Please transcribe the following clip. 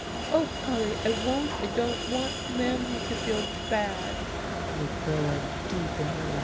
"O Polly! I won't I don't want Mamsie to feel bad" and he burrowed deep in her lap.